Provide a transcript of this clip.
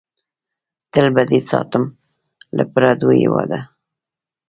تل به دې ساتم له پردو هېواده!